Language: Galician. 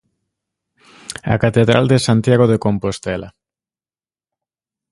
A catedral de Santiago de Compostela.